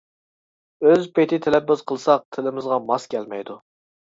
ئۆز پىتى تەلەپپۇز قىلساق تىلىمىزغا ماس كەلمەيدۇ.